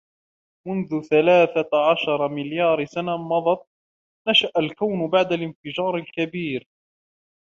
منذ ثلاثة عشر مليار سنة مضت نشأ الكون بعد الانفجار الكبير